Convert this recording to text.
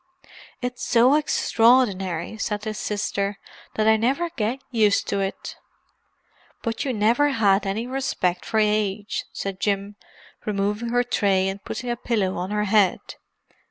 "It's so extraordinary," said his sister, "that I never get used to it." "But you never had any respect for age," said Jim, removing her tray and putting a pillow on her head.